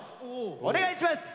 お願いします！